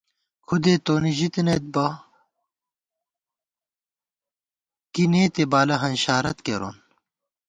کھُدے تونی ژِتَنَئیت بہ کی نېتے ، بالہ ہنشارت کېرون